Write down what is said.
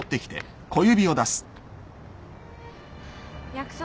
約束。